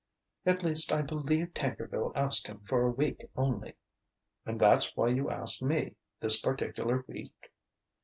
At least, I believe Tankerville asked him for a week only." "And that's why you asked me, this particular week?"